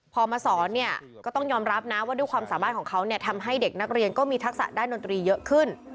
พอมาสอนเนี่ยก็ต้องยอมรับนะว่าด้วยความสามารถของเขาเนี่ยทำให้เด็กนักเรียนก็มีทักษะด้านดนตรีเยอะขึ้น